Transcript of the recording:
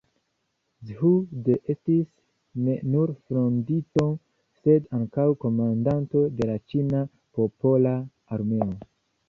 Zhu De estis ne nur fondinto, sed ankaŭ komandanto de la ĉina popola armeo.